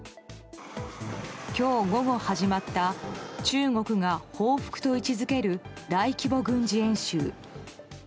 今日午後始まった中国が報復と位置づける大規模軍事演習。